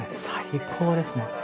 最高ですね。